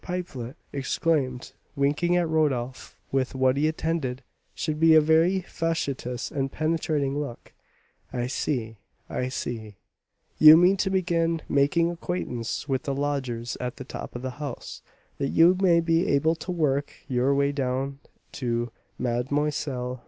Pipelet exclaimed, winking at Rodolph with what he intended should be a very facetious and penetrating look, "I see, I see, you mean to begin making acquaintance with the lodgers at the top of the house, that you may be able to work your way down to Mlle.